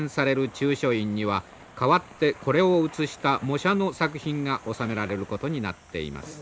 中書院には代わってこれを写した模写の作品が納められることになっています。